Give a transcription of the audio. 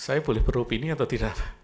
saya boleh beropini atau tidak